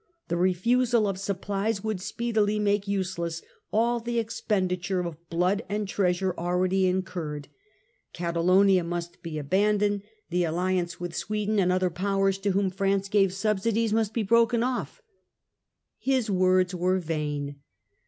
The refusal of supplies would speedily make useless all the expenditure of blood and treasure already incurred. Catalonia must be abandoned; the alliance with Sweden and other powers to whom France gave subsidies must be broken off. His words were vain.